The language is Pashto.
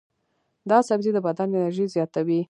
دا سبزی د بدن انرژي زیاتوي.